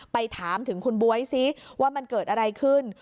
ไปถามถึงคุณบ๊วยซิว่ามันเกิดอะไรขึ้น